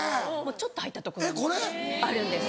ちょっと入った所にあるんです。